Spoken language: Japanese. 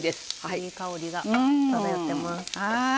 いい香りが漂ってます。